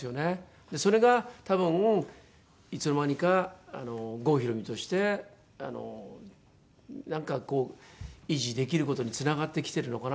それが多分いつの間にか郷ひろみとしてなんかこう維持できる事につながってきてるのかなって。